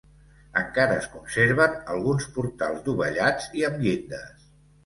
Encara es conserven alguns portals dovellats i amb llindes.